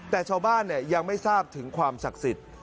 แต่ชาวบ้านยังไม่ทราบถึงความศรักษิต